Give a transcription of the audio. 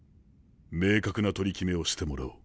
明確な取り決めをしてもらおう。